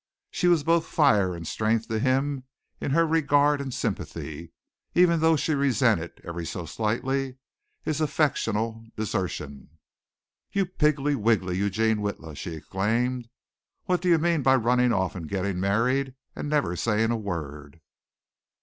She was both fire and strength to him in her regard and sympathy, even though she resented, ever so slightly, his affectional desertion. "You piggy wiggy Eugene Witla," she exclaimed. "What do you mean by running off and getting married and never saying a word.